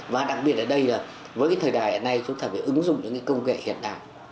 và đặc biệt ở đây là với cái thời đại hiện nay chúng ta phải ứng dụng những công nghệ hiện đại